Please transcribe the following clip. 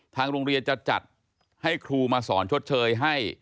ทางโรงเรียนจะจัดให้ครูมาสอนชดเชยให้